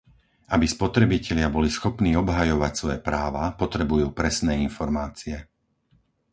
Aby spotrebitelia boli schopní obhajovať svoje práva, potrebujú presné informácie.